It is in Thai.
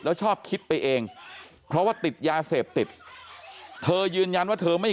แล้วชอบคิดไปเองเพราะว่าติดยาเสพติดเธอยืนยันว่าเธอไม่